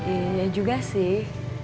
iya juga sih